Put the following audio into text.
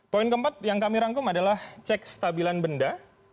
poin keempat yang kami rangkum adalah cek stabilan benda